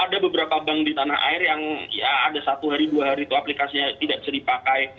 ada beberapa bank di tanah air yang ya ada satu hari dua hari itu aplikasinya tidak bisa dipakai